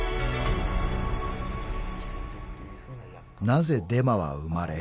［なぜデマは生まれ